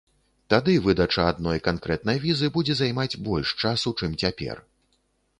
Тады выдача адной канкрэтнай візы будзе займаць больш часу, чым цяпер.